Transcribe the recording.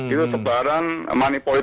itu sebaran manipoliti